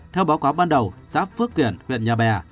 theo báo cáo ban đầu xã phước kiển huyện nhà bè